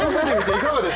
いかがです？